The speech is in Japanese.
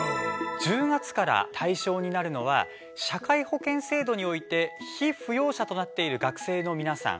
１０月から対象になるのは社会保険制度において被扶養者となっている学生の皆さん。